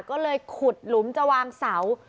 ก็เลยขุดหลุมจะวางเสา